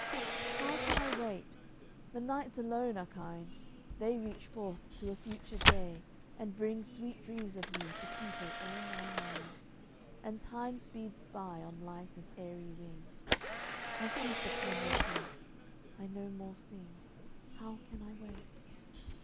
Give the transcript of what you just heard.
How can I wait? The nights alone are kind; They reach forth to a future day, and bring Sweet dreams of you to people all my mind; And time speeds by on light and airy wing. I feast upon your face, I no more sing, How can I wait?